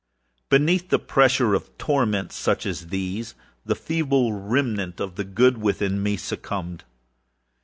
_ Beneath the pressure of torments such as these, the feeble remnant of the good within me succumbed.